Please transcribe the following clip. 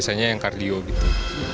biasanya yang kardio gitu